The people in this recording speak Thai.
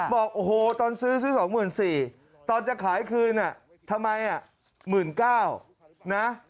บอกโอ้โหตอนซื้อซื้อ๒๔๐๐ตอนจะขายคืนทำไม๑๙๐๐นะ